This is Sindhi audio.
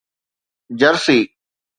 جرسي